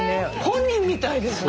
本人みたいですね。